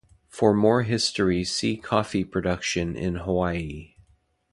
For more history see coffee production in Hawaii.